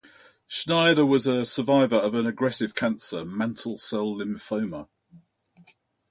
Schneider was a survivor of an aggressive cancer, mantle cell lymphoma.